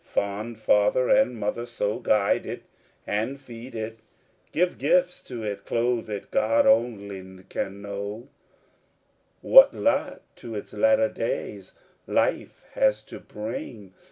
Fond father and mother so guide it and feed it, Give gifts to it, clothe it: God only can know What lot to its latter days life has to bring.